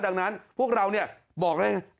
ดังนั้นพวกเรานี่บอกอย่างไร